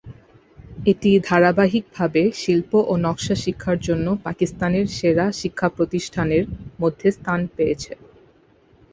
এটি ধারাবাহিকভাবে শিল্প ও নকশা শিক্ষার জন্য পাকিস্তানের সেরা শিক্ষাপ্রতিষ্ঠানের মধ্যে স্থান পেয়েছে।